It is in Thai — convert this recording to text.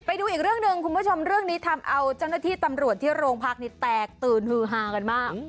ไปดูอีกเรื่องหนึ่งคุณผู้ชมเรื่องนี้ทำเอาเจ้าหน้าที่ตำรวจที่โรงพักนี้แตกตื่นฮือฮากันมาก